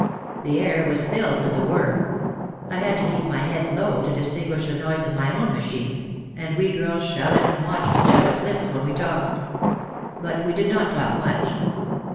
The air was filled with the whirr. I had to keep my head low to distinguish the noise of my own machine and we girls shouted and watched each other's lips when we talked. But we did not talk much!